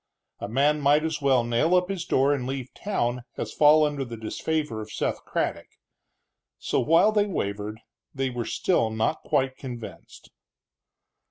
A man might as well nail up his door and leave town as fall under the disfavor of Seth Craddock. So, while they wavered, they were still not quite convinced.